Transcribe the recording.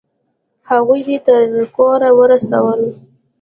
هغوی دې تر کوره ورسول؟